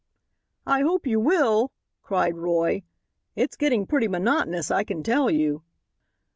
"I hope you will," cried Roy. "It's getting pretty monotonous, I can tell you."